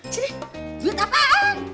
sini duit apaan